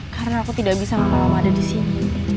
karena aku tidak bisa gak mau lama ada di sini